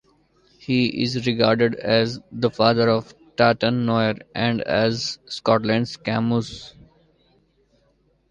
He is regarded as "the father of 'Tartan Noir'" and as Scotland's Camus.